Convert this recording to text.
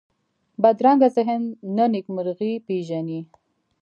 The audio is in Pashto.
بدرنګه ذهن نه نېکمرغي پېژني